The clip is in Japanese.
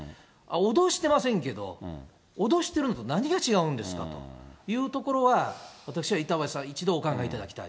脅してませんけど、脅してるのと何が違うんですかというのを、私は板橋さん、一度お考えいただきたいと。